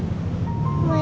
mainnya di rumah om baik ya